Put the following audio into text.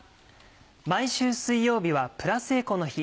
毎週水曜日はプラスエコの日。